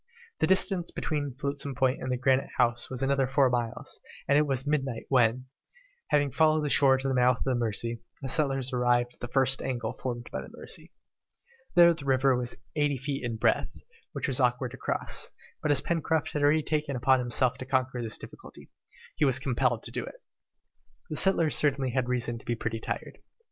The distance between Flotsam Point and Granite House was another four miles, and it was midnight when, after having followed the shore to the mouth of the Mercy, the settlers arrived at the first angle formed by the Mercy. There the river was eighty feet in breadth, which was awkward to cross, but as Pencroft had taken upon himself to conquer this difficulty, he was compelled to do it. The settlers certainly had reason to be pretty tired.